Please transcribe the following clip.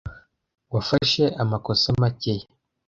wafashe amakosa make ye